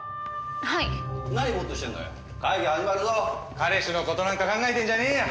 彼氏の事なんか考えてんじゃねえよ。